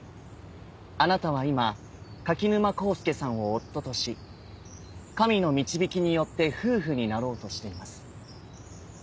あなたは今柿沼浩輔さんを夫とし神の導きによって夫婦になろうとしています。